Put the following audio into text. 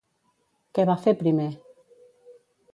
Què va fer primer?